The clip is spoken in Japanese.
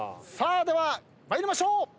では参りましょう。